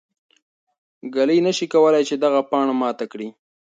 ږلۍ نه شي کولای چې دغه پاڼه ماته کړي.